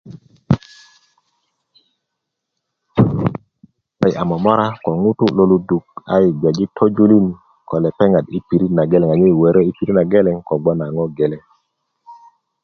ko yi a momora ko ŋutu' lo luduk a yi' gbeji' tojulin ko lepeŋat yi pirit na geleŋ ko wörö yi pirit nageleŋ ko gnoŋ a ŋo' geleŋ